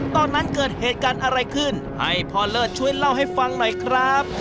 ตอนนั้นเกิดเหตุการณ์อะไรขึ้นให้พ่อเลิศช่วยเล่าให้ฟังหน่อยครับ